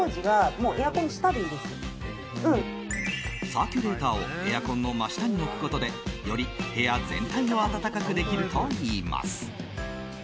サーキュレーターをエアコンの真下に置くことでより部屋全体を暖かくできるといいます。